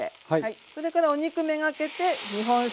それからお肉目がけて日本酒。